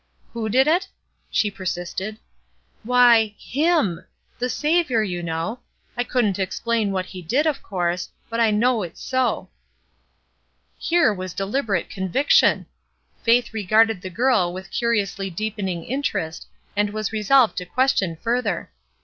''Who did it?" she persisted. "Why, HIM; the Saviour, you know. I couldn't explain what He did, of course, but I know it's so." MELINDY 197 Here was deliberate conviction! Faith re garded the girl with curiously deepening in terest, and was resolved to question further.